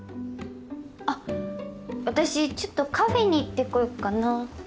あっ私ちょっとカフェに行ってこよっかな。